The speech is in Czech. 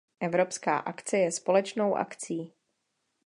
Evropská akce je společnou akcí.